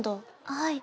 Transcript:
はい。